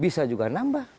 bisa juga nambah